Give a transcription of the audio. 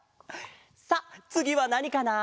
さあつぎはなにかな？